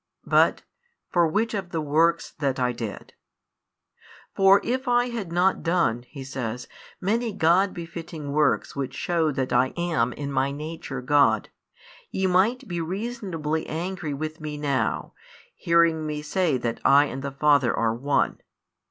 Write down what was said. but: "For which of the works that I did?" For |103 if I had not done, He says, many God befitting works which shew that I am in My Nature God, ye might be reasonably angry with Me now, hearing Me say that I and the Father are One.